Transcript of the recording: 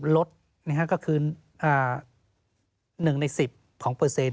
ลดก็คือ๑ใน๑๐ของเปอร์เซ็นต